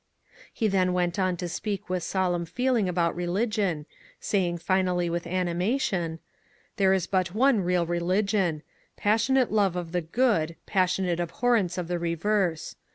He then went on to speak with solemn feeling about religion, saying finally with animation, "There is but one real religion — passionate love of the goody passionate abhorrence of the reverse.